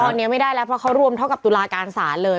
ตอนนี้ไม่ได้แล้วเพราะเขารวมเท่ากับตุลาการศาลเลย